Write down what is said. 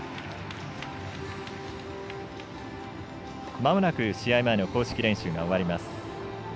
まもなく試合前の公式練習が終わります。